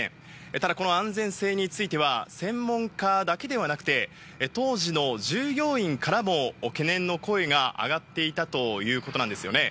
ただこの安全性については専門家だけではなくて当時の従業員からも懸念の声が上がっていたということなんですね。